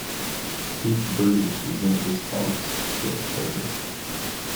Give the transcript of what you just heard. Peak birding season is August to October.